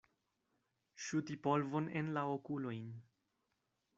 Ŝuti polvon en la okulojn.